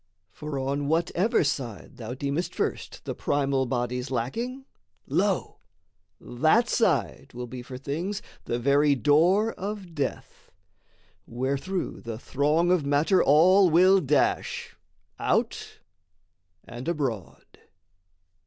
For on whatever side thou deemest first The primal bodies lacking, lo, that side Will be for things the very door of death: Wherethrough the throng of matter all will dash, Out and abroad.